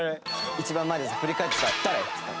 一番前で振り返ってさ「誰！？」っつった。